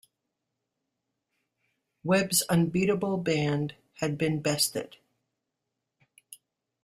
Webb's "unbeatable" band had been bested.